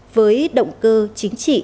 với động cơ chính trị